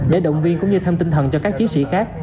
để động viên cũng như thêm tinh thần cho các chiếc xe khác